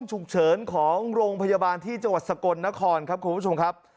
ฉุกเฉินของโรงพยาบาลที่จังหวัดสกลนครครับคุณผู้ชมครับ